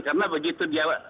karena begitu dia pulang ke rumah